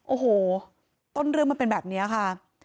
โอ้โหต้นเรื่องมันเป็นแบบนี้ค่ะ